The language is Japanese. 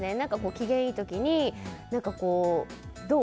機嫌いい時にどう？